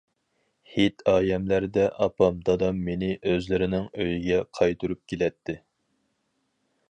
ھېيت- ئايەملەردە ئاپام- دادام مېنى ئۆزلىرىنىڭ ئۆيىگە قايتۇرۇپ كېلەتتى.